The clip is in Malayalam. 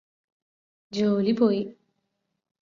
ജോലി പോയി